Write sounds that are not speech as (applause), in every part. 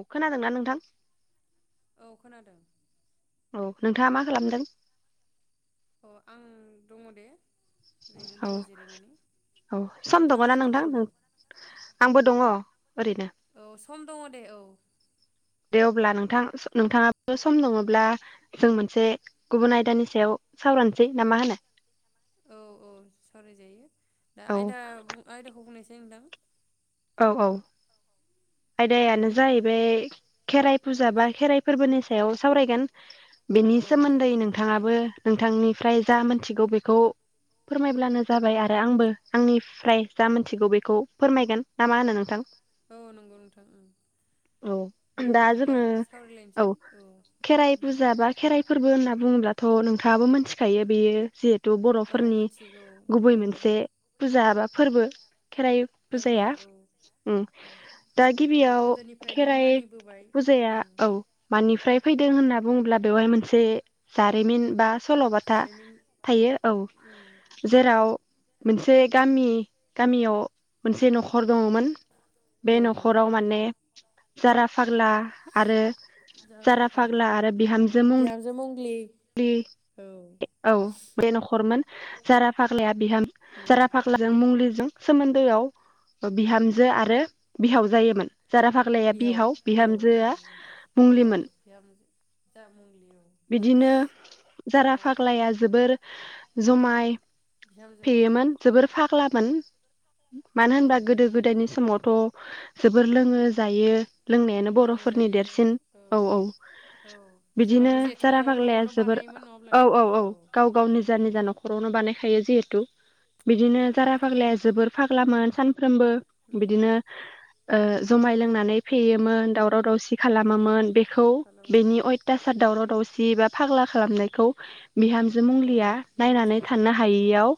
औ खोनादोंना नोंथां औ खोनादों। औ नोंथाङा मा खालामदों? अ आं दङ दे ओरैनो औ दङ जिरायनानै औ सम नोंथाङालाय दङना मा नोंथां खालामदों नों आंबो दङ। ओरैनो औ सम दङ दे औ दे अब्ला नोंथां नोंथाङाबो सम दङब्ला जों मोनसे गुबुन आयदानि सायाव सावरायनोसै ना मा होनो? औ औ सावरायजायो दा औ आयदा बुं आयदाखौ बुंनोसै दे नोंदां औ औ आयदायानो जाहैबाय खेराइ फुजा बा खेराइ फोरबोनि सायाव सावरायगोन बेनि औ नोंथां सोमोन्दै औ। नोंथाङाबो नों नोंथांनिफ्राय जा मोनथिगौ बेखौ फोरमायब्लानो जाबाय आरो आंबो आंनिफ्राय जा मोनथिगौ बेखौ फोरमायगोन ना मा होनो नोंथां? औ नंगौ नोंथां ओं औ दे दा बिदिब्ला जोंङो औ सावरायलायनोसै खेराइ उम। फुजा बा खेराइ फोरबो होनना बुंङोब्लाथ नोंथाङाबो मोनथिखायो बेयो जिहे तु औ बर'फोरनि मिथिगौ गुबै औ मोनसे फुजा बा फोरबो खेराइ फोरबो फुजाया औ उम औ दा खौ आरो गिबियाव गोदोनिफ्रायनो खेराइ मानिबोबाय फुजाया उम औ मान निफ्राय फैदों होनना बुंङोब्ला बेवहाय मोनसे जारिमिन बा सल'बाथा जारिमिन थायो औ उम जेराव मोनसे गामि गामियाव मोनसे नख दंङ मोन बे औ नंगौ नखराव नोंथां माने जारा फाग्ला उम आरो जारा फाग्ला आरो बिहामजो मुंलि बिहामजो मंग्लि लि औ ए औ बे नखर मोन जारा फाग्लाया बिहाम उम जारा फाग्ला जों मुंग्लि जों सोमोन्दोआव ओ बिहामजो आरो बिहाव जायोमोन। जारा फाग्लाया बिहाव औ औ बिहामजोआ नोंथां औ मुंलिमोन बिहामजो जा मुंलि औ बिदिनो दा जारा फाग्लाया जोबोर जमाय बिहामजोखौ फेयोमोन जोबोर फाग्लामोन मानो औ होनबा गोदो गोदायनि समावथ जोबोर लोंङो जायो लोंनायानो लोङो बर'फोरनि जायो देरसिन औ औ औ बिदिनो जुमायखौ जिहेथु जारा न'आव फाग्लाया न'आवनो जोबोर बानायोमोन नङाब्ला औ नोंथां औ औ गाव गाव निजा उम निजा नखरावनो बानाय थायो जिहेतु औ बिदिनो जारा नोंथां फाग्लाया जोबोर फाग खाला मोन सान फ्रोमबो उम बिदिनो ओह जुमाय लोंनानै फेयोमोन दावराव दावसि उम खालामोमोन बेखौ बेनि खालामोमोन अयथासार दाराव दावसि बा फाग्ला खालामनायखौ बिहामजो औ मुंलिया नायनानै बिहामजो थानो औ हायियाव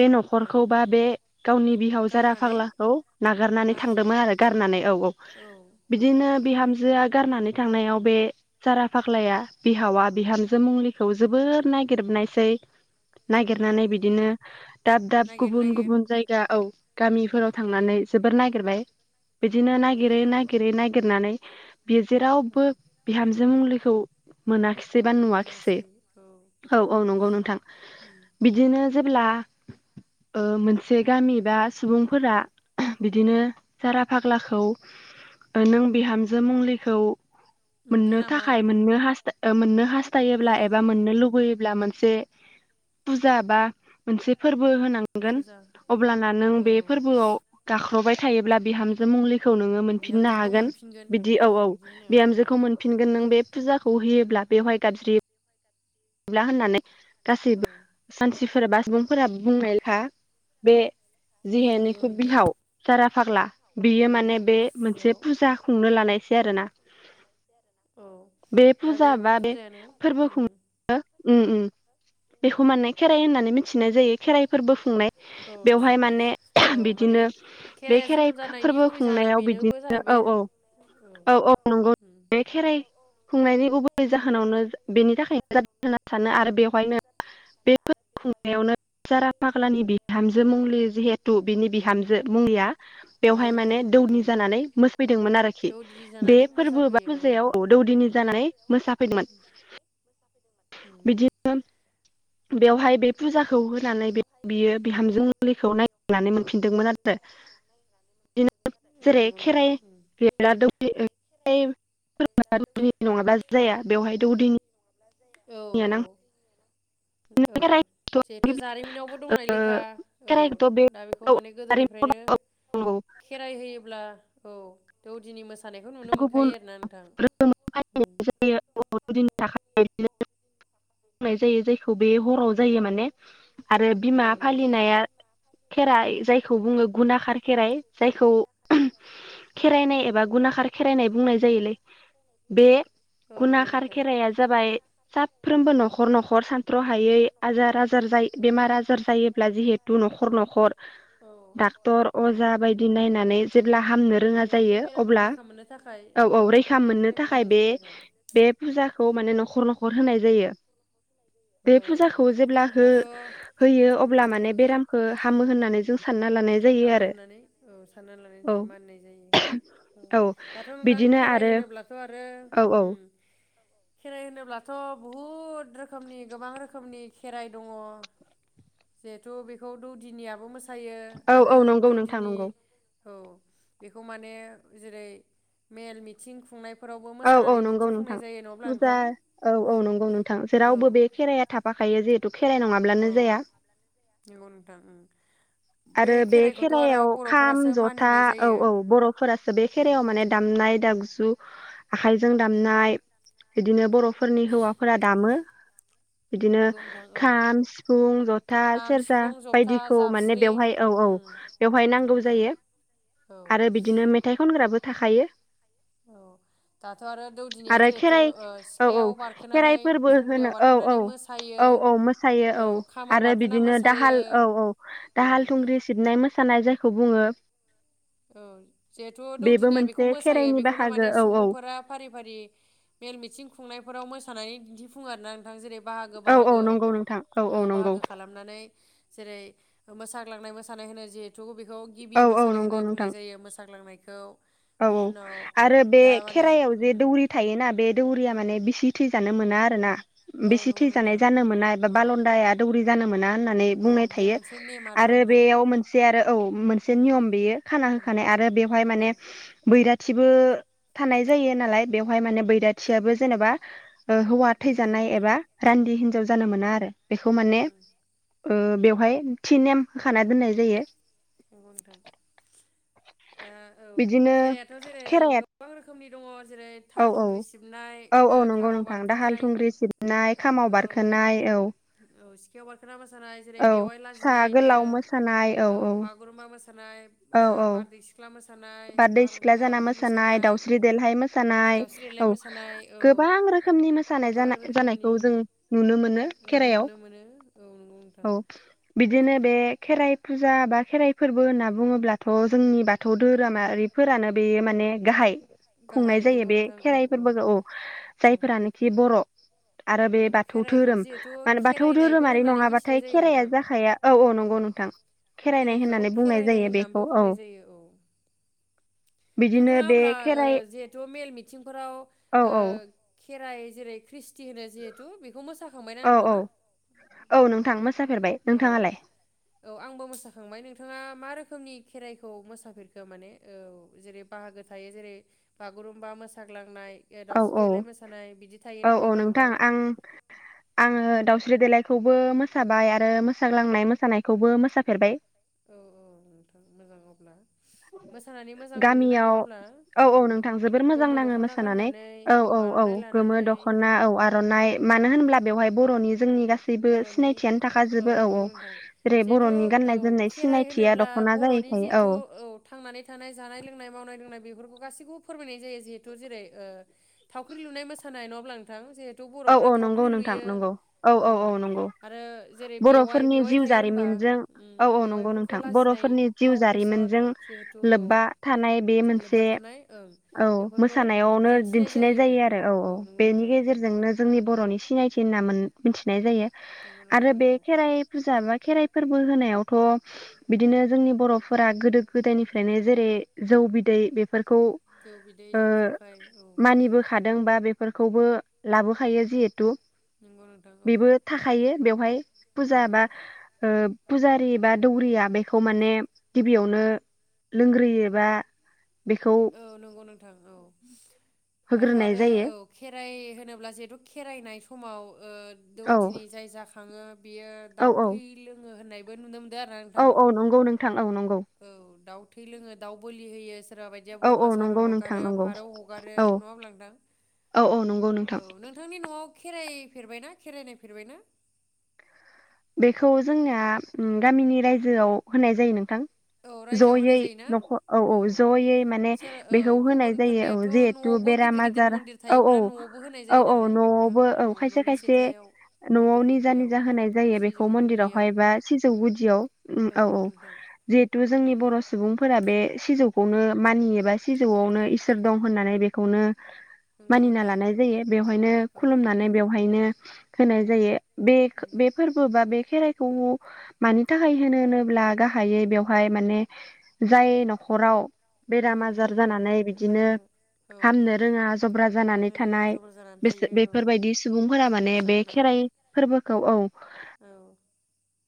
बे औ नखरखौ बा बे गावनि बिहाव जारा गारनानै फाग्लाखौ नागारनानै हाजो थांदोंमोन आरो गारनानै औ औ औ बिदिनो बिहामजोआ गारनानै थांनायाव बे जारा फाग्लाया बिहावा बिहामजो मुंलिखौ जोबोर नागिरनायसै। नागिरनानै औ बिदिनो दाब दाब नागिर गुबुन नागिर गुबुन जायगा औ उम गामिफोराव थांनानै जोबोर नागिर इरबाय बिदिनो औ नागिरै नागिरै नायग गिरनानै बे औ जेरावबो बिहामजो जों मुंलिखौ मोनाखिस एबा नुवाखिसै औ औ नंगौ नोंथां उम बिदिनो जेब्ला ओ मोनसे गामि बा सुबुंफोरा बिदिनो जारा फाग्लाखौ नों बिहामजो मंलिखौ नुदों मोननो नामा? थाखाय मोननो हास ओ मोननो औ थायोब्ला एबा मोननो लुुबैयो ब्ला मोनसे फुजा बा मोनसे फोरबो होनां मोनगोन फुजा अब्लाना नों औ बे फोरआव गाख्रबाय थायोब्ला बिहामजो मुंलि खौ नोंङो मोनफिननो बिहामजोखौ हागोन मोनफिनगोन बिदि औ औ बिदि होनो आरोना बिहामजोखौ मोनफिनगोन नों बे फुजाखौ बहियोब्ला बेवहाय गाबज्रियो (unintelligible) होननानै औ गासैबो सानसे सोरबा सुबुंफोरा बुंनाय (unintelligible) बे उम नंगौ जिहेनिखु नोंथां। बिहाव जारा फाग्ला बियो उम माने बे मोनसे बेयाव फुजा खुंनो लानायसै आरोना औ बे दा फुजा बा बे फुजायानो फोरबो उम खुं (unintelligible) उम्म उम्म बेखौ माने खेराइ होननानै मिथ थिनाय जायो खेराइ फोरबो खुंनाय औ नंगौ बेवहाय नोंथां माने औ माने बिदिनो बे खेराया खेराइ जोनोम जानायनि फोरबो गुबै जाहोना खुंनायाव बेनोबो बिदिनो औ जाहैबाय आरो औ औ औ नंगौ उम बे खेराइ खुंनायनि जाहोनावनो बेनि थाखाय (unintelligible) सानो आरो बेयाव (unintelligible) बे (unintelligible) खुंनायावनो जारा फाग्लानि बिहामजो मंलि जिहेथु बिनि बिहामजो मुंलिया नंगौ बेवहाय नोंथां माने दौनि उम जानानै मोसादोंमोन आरोखि दौदिनि बे जानानै फोरबो बा मोसाफैयो औ फुजायाव नोंथां उम दौदिनि जानानै मोसाफैदोंमोन उम बिदि (unintelligible) बेवहाय बे फुजाख खौ होनानै बियो बिहामजो मंलिखौ नायगिरनानै मोनफिनदोंमोन आरो। (unintelligible) बिदिनो मोनफिनदोंमोन आरो औ नंगौ जेरै नोंथां खेराइ उम (unintelligible) नङाबा जाया बेवहाय दौदिनि औ औ औ जिहेथु खेराइखौथ' जारिमिनावबो दंनाय लेखा औ खेराइखौथ' बे दा बेखौ माने गोदोनिफ्रायनो खेराइ होयोब्ला औ। दौदिनि मोस गुबुन (unintelligible) (unintelligible) उम नाय जायो जायखौ बे हराव जायो माने आरो बिमा औ नंगौ नोंथां फालिनाया खेराइ जाय जायखौ बुङो गुना खार खेराइ जायखौ खेराइनाय एबा गुना खार खेराइनाय बुंनाय जायोलै बे औ गुना नंगौ खार नोंथां। खेराइाया जाबाय साफ्रोमबो नखर नखर सानथ्र हायै आजार आजार बेमार आजार जायोब्ला जिहेतु नखर नखर डक्टर अजा न'खर बायदि नायनानै जेब्ला रोङा जिहेथु बे जायो बेरामनिफ्राय अब्ला रैखा मोननो थाखाय औ औ रैखा बे मोननो खेराइखौ थाखाय होनाय बे जायो आरो बे उम फुजाखौ माने नखर नखर होनाय जायो बे औ औ फुजाखौ जेब्ला दाथ' होयो अब्ला उम माने बेरामखौ हामो होननानै जों सानना लानाय जायो हामो आरो होननानै औ साननानै लानाय औ जायो मानिनाय जायो औ। दाथ नोंथां बिदिनो खेराइ आरो होनोब्लाथ आरो औ औ ओम खेराइ होनोब्लाथ बहुद रोखोमनि गोबां रोखोमनि खेराइ दङ जिहेथु बेखौ दौदिनियाबो मोसायो औ औ आरो नंगौ नोंथां दौदिनि नंगौ औ। बेखौ माने जेरै मेल मिथिं खुंनाय औ औ नंगौ नोंथां फुजा नोंथां औ औ नंगौ नोंथां औ जेरावबो बे खेराइाया थाफाखायो जिहेतु तु खेराइ नङाब्लानो औ जाया। नंगौ नोंथां ओं आरो बे खेराइखौथ' आरो खेरायाव खाम बर'फोरासो जथा मानिनाय औ जायो औ बरफोरासो बे खेराइायाव माने दामनाय द आगजु आखाइजों दामनाय बिदिनो बरफ फोरनि हौवाफोरा दामो। बिदिनो नंगौ नोंथां औ खाम सिफुं जथा खाम सेरजा सिफुं जथा बायदिखौ माने जाबस्रिं बेवहाय औ औ उम बेवहाय नंगौ नांगौ नोंथां जायो औ आरो बिदिनो मेथाइ खनग्राबो थाखायो। औ दाथ आरो दौदिनिया आरो जिहेथु खेराइ औ औ सिखायाव खेराइ बारखोनानै फोरबो थुंग्रियाव होनो औ बारखोनानै औ मोसायो औ औ मोसायो औ खामाव आरो बारखोना बिदिनो मोसायो। दाहाल औ औ औ दाहाल थुंग्रि सिबनाय मोसानाय जा खौ बुङो औ जिहेथु बेबो दौदिनिया बेखौ मोनसे मोसायो खेराइनि बेखौनो बाहागो माने औ औ सुबुंफोरा फारि फारि मेल मिथिं खुंनायफोराव मोसानानै दिन्थिफुं फु आरो नोंथां जेरै (unintelligible) औ औ बाहागो-बाहागो नंगौ नोंथां औ नंगौ बाहागो खालामनानै जेरै मोसाग्लांनाय मोसानाय होनो जिथु बेखौ औ गिबि औ मोसानाय नंगौ होनो नोंथां बुंनाय जायो मोसाग्लांनाय औ औ औ आरो बे खेराइायाव जे उम दौरि थायोना बे दौरिया माने बिसि थैजानो मोना आरो ना औ बिसि नंगौ थैजानाय नोंथां जानो मोना एबा औ बालदाया दौरि जानो मोना होननानै औ बुंनाय बे थायो मोनसे नेम आरोना आरो नोंथां बेयाव मोनसे आरो औ मोनसे उम नियम बेयो खाना उम होखानाय आरो बेवहाय औ माने बैराथिबो थानाय जायो नालाय बेवहाय माने बैराथियाबो जेनेबा ओ हौवा औ नंगौ थैजानाय नोंथां एबा रान्दि हिनजाव जानो मोना आरो बेखौ माने उम ओ बेवहाय थि नेम होखाना दोननाय जायो। नंगौ नोंथां दा औ बिदिनो खेरायाथ जेरै ओ गोबां रोखोमनि दङ स औ-औ-औ-औ नंगौ खामाव नोंथां दाहाल बारखोनाय थुंग्रि सिबनाय खामाव औ बारखोनाय औ (unintelligible) बारखोना मोसौ औ सा गोलाव मोसानाय औ-औ गुरुमा मोस (unintelligible) नाय ओ बारदै सिख्ला मोस बारदै सिख्ला जाना मोसानाय दाउस्रि देलहाय मोसानाय दाउस्रि देलाय औ मोसानाय औ गोबां रोखोमनि मोसानाय गोबां रोखोमनि जानाय-जानायखौ जों नुनो मोनो ओं खेराइआव नुनो मोनो औ नंगौ नोंथां औ बिदिनो बे खेराइ फुजा बा खेराइ फोरबो होनना बुङोब्लाथ जोंनि बाथौ धोरोमारिफोरानो बे माने गाहाय गाहाय खुंनाय जायो नंगौ बे नोंथां औ खेराइ फोरबोगौ औ औ जायफोरानोखि बर' आरो बे औ बाथौ खेराइखौ धोरोम जिहेथु मान बाथौ खेराइनायबो धोरोमारि होननानै मिथिनाय नङाबाथाय जायो खेराइया नोंथां जाखाया औ-औ औ नंगौ नोंथां खेराइनाय खेराइखौ होननानै बुंनाय खेराइनाय जायो होननानैबो बेखौ औ बुंनाय जायो औ बिदिनो नोंथाङा बे अब्ला ओ खेराइ जिहेथु मेल मिथिंफोराव औ ओ औ खेराइ जेरै ख्रिसथि होनो जिहेतु औ औ औ नोंथां मास औ आंबो मोसाखांबाय नोंथाङा मा रोख खोमनि खेराइखौ मोसाफेरखो माने औ जेरै बाहागो थायो जेरै बागुरुम्बा मोसाग्लांनाय औ दावस्रि औ देलाय मोसानाय बिदि थायो औ नङा औ होमबा नोंथां आं आङो दाउस्रि स्रि देलायखौबो मोसाबाय आरो मोसाग्लांनाय मोसानायखौबो मोसाफेरबाय औ औ नोंथां मोजां अब्ला मोसानानै मोजां मोनोना गामियाव नङाब्ला औ औ नोंथां जोबोर मोजां गोमो नाङो दख'ना मोसानानै गाननानै औ औ औ आर'नाइ गोमो लानानै दखना औ आरनाइ औ मानो होनब्ला बेवहाय बर'नि जोंनि गासैबो बर'नि सिनायथियानो थाखाजोबो औ औ नंगौ नोंथां जेरै जिहेथु बरनि औ गान्नाय जोमनाय खेराइ सिनायथिया होनोब्ला दख'ना बर'नि जायैखायो जिहेथु औ थांनानै थानाय जानाय लोंनाय मावनाय (unintelligible) बेफोरखौ गासिबखौबो फोरमायनाय जायो जिहेथु जेरै ओ थावख्रि लुनाय मोसानाय नङा ब्ला नोंथां जे औ औ नंगौ नोंथां नंगौ औ औ औ औ नंगौ आरो जेरै बेवाइ बर'फोरनि बेवाइ जिउ थायो होमबा जारिमिनजों उम औ औ नंगौ बेवाइफोरखौ नोंथां लाजिनाय बर'फोरनि जिउ फाव फेसन जारिमिनजों जिहेथु औ लोब्बा थानाय बे लोब्बा मोनसे थानाय ओं औ बेफोरखौ मोसानायावनो दिन्थिनाय जायो आरो औ औ बेनि गेजेरजोंनो बर'नि सिनायथि होनना मोन‌-मिथिनाय जायो। नंगौ आरो नोंथां बे औ खेराइ फुजा बा खेराइ फोरबो होनायावथ बिदिनो जोंनि बर'फोरा गोदो गोदायनिफ्रायनो जेरै जौ बिदै बेफोर जौ बिदै जौ जखाय औ फोरखौबो लाबो फायो जिहेतु नंगौ नोंथां औ बेबो थाखायो बेवहाय फुजा उम बा ओ फुजारि बा दौरिया बेखौ माने गिबियावनो लोंग्रोयो बा औ नंगौ नोंथां औ दाथ' होग्रोनाय आरो जायो औ खेराइ होनोब्ला जिहेथु खेराइनाय समाव ओ औ दौदिनि जाय जाखा खाङो बेयो औ दाउ औ थै लोङो होननाय बो नुनो मोन औ औ नंगौ नोंथां औ नं औ थै लोङो दाउ बोलि होयोस सोरबा बायदिया औ औ बोरमा नंगौ सारन नोंथां हगारो नंगौ फारौ हगारो औ नङाब्ला नोंथां औ औ नंगौ नोंथां औ नोंथांनि नआव खेराय फेरबायना खेराय नायफेरबायना बेखौ जोंना गामिनि रायजोआव होनाय जायो नोंथां औ रायजोआव होनाय जयै जायोना नख औ औ जयै माने सोर बेखौ औ होनाय जायो औ गुबुनफोरनियाथ' जिहेतु न'आवबो गिदिर बेराम गिदिर आजार मन्दिर औ औ थायोब्ला न'आवबो होनाय औ जायो औ नालाय नोंथां न'आवबो औ खायसे न'नि खायसे सिथ्लायाव न'आव मन्दिर निजा गुदियाव निजा होनाय सिजौ बेखौ गुदियाव मन्दिरावहाय बा सिजौ गुदियाव उम औ नंगौ औ नोंथां जेथ थ औ जोंनि बर' सुबुं फोरा बे सिजौखौनो मानियोबा सिजौआवनो इसोर दं होननानै बेखौनो नंगौ मानिना नोंथां लानाय जायो बेवहायनो औ खुलुमनानै बेवहायनो होनाय जायो बेखो नंगौ खौ मानि थाखाय होनो होनोब्ला गाहायै बेवहाय माने जाय नख'राव बेराम आजार नोंथां जानानै बिदिनो बेमारजों औ हामनो रोङा जब्रा जानानै हामनो रोङा थानाय जबर जानानै बेसो थायो औ बेफोरबायदि सुबुंफोरा माने लोखोसा बे गोनां खेराइ फोरबोखौ औ। औ।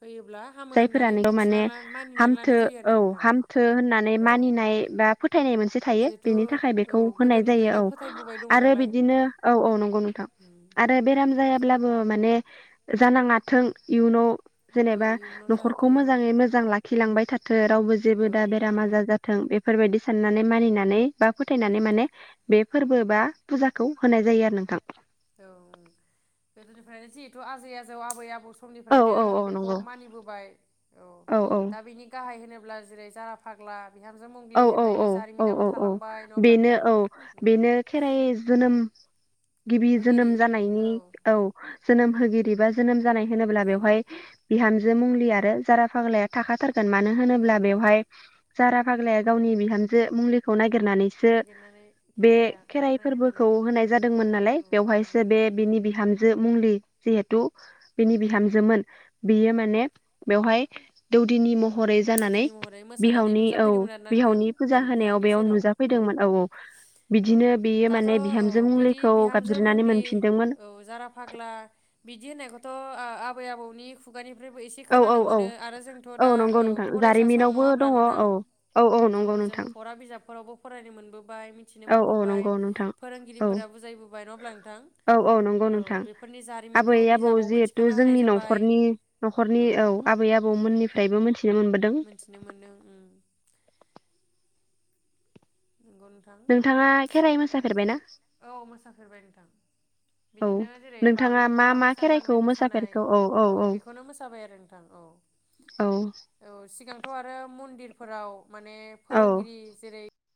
होयोब्ला हामो जायफोरा होननानै नोंगौ माने मिथिना ला मानिनानै हामथो लानाय जायो आरो औ नोंथां हामथो होननानै औ मानिनाय बा फोथायनाय मोनसे थायो जिहेथु बेनि थाखाय औ बेखौ होनाय जायो गोदोनिफ्रायनो औ फोथायबोबाय दं आरो नालाय बिदिनो औ औ नंगौ नोंथां उम आरो उम बेराम जायाब्लाबो माने जानाङाथों इयुनाव जेनेबा औ इयुनाव न'खरखौ जाहाथे औ मोजाङै मोजां लाखिलांबाय था जों रावबो जेबो औ दा बेरामा आजार जाथ थों बेफोरबायदि साननानै मानिनानै बा फोथायनानै माने बे फोरबो बा पुजाखौ होनाय जायो आरो नोंथां। औ गोदोनिफ्रायनो जिहेथु आजै आजौ आबै आबौ औ समनिफ्रायनो औ औ बेखौ नंगौ मानिबोबाय औ दा बिनि गाहाय होनो अब्ला जेरै जारा फाग्ला बिहामजो औ मंग्लि औ औ होननायनि औ जारिमिनाबो औ औ थालांबाय नङा होमब्ला बेनो नोंथां औ उम बेनो खेराइ जोनोम गिबि जोनोम होगिरि जानायनि औ उम जोनोम होगिरि बा जोनोम जानाय होनोब्ला बेवहाय बिहामजो बिहामजो मुंग्लि आरो जारा फाग्लाया जाखाथारो गोन मानो नंगौ होनोब्ला नोंथां बेवहाय जारा फाग्लाया गावनि बिहामजो मुंग्लिखौ नागि नागिरनानैसो नागिरनानै बे खेराइाया खेराइ ओंखारनाय फोरबोखौ होननानै होनाय औ जादोंमोन नालाय औ नंगौ बेवहायसो बे नोंथां बिनि बिहामजो मुंग्लि जिहेथु उम बेनि बिहामजोमोन। बियो माने बेवहाय दौदिनि मह हरै जानानै बिहावनि औ फैदोंमोन आरोना नोंथां बिहावनि औ फुजा होनायाव बिहावनि बेयाव सेराव औ नुजाफैदोंमोन औ बिदिनो बेयो दाथ' माने औ बिहामजो बिदि मुंलिखौ बिहामजो गाबज्रिनानै मंग्लि मोनफिनदोंमोन औ जारा फाग्ला बिदि होननायखौथ' ओ आबै आबौनि खुगानि फ्रायबो एसे औ औ खोनानो औ मोनो आरो जोंथ औ दा नंगौ नोंथां औ फरायसा सम जारिमिनावबो नङा होमब्ला दङ, नोंथां औ औ औ नंगौ नोंथां। फोरावबो फरायनो मोनबो औ औ नंगौ नोंथां, औ फोरोंगिरिफोरा बुजायबोबाय नङा होमब्ला नोंथां औ औ नंगौ नोंथां, बेफोरनि जारिमिनखौ आबै-आबौ बिजाबावबो जिहेथु थिखांना होनाय जोंनि जाबाय नखरनि नखरनि औ आबै-आबौ मोननिफ्रायबो मोनथिनो मोनबोदों मोनथिनो मोनदों। नंगौ नोंथां। नोंथाङा खेराइ मोसाफेरबायना? औ मोसाफेरबाय नोंथां औ बिदिनो जेरै नोंथाङा मा बागुरुम्बा, मा खेराइखौ मोसाग्लांनाय मोसानाय मोसाफेरखो औ बेखौनो मोसाबाय आरो नोंथां औ औ औ सिगांथ आरो मन्दिर फोराव माने औ फोरोंगिरि जेरै